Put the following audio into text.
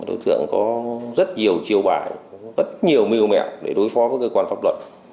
đối tượng có rất nhiều chiêu bài rất nhiều mưu mẹo để đối phó với cơ quan pháp luật